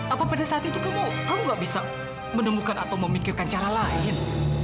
apa pada saat itu kamu gak bisa menemukan atau memikirkan cara lain